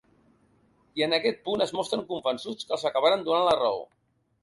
I en aquest punt es mostren convençuts que els acabaran donant la raó.